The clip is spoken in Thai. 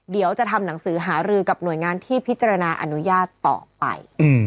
เดี๋ยวจะทำหนังสือหารือกับหน่วยงานที่พิจารณาอนุญาตต่อไป